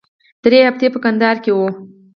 درې هفتې په کندهار کښې وو.